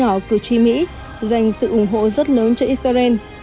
nhiều người nhỏ cử tri mỹ dành sự ủng hộ rất lớn cho israel